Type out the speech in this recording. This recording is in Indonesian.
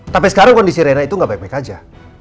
tapi sekarang kondisi rena itu gak baik baik aja